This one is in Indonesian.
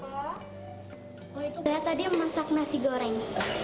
saya tadi memasak nasi goreng